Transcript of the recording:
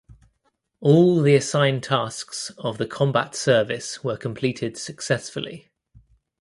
All the assigned tasks of the combat service were completed successfully.